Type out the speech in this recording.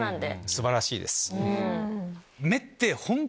素晴らしいです。